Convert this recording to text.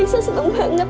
raisa seneng banget